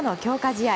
試合